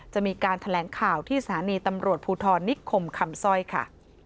จะมีการแถลงข่าวที่สถานีตำรวจภูทรนิคมคำสร้อยค่ะ